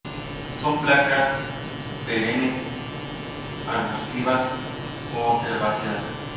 Son plantas perennes, arbustivas o herbáceas.